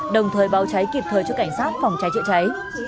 đồng thời báo cháy kịp thời cho cảnh sát phòng cháy chữa cháy